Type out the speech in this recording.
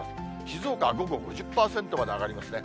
静岡は午後５０％まで上がりますね。